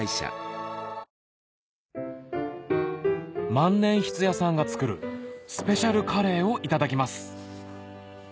万年筆屋さんが作るスペシャルカレーをいただきます